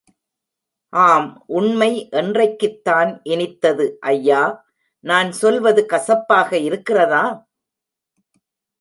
ஆம் உண்மை என்றைக்குத்தான் இனித்தது, ஐயா!... நான் சொல்வது கசப்பாக இருக்கிறதா?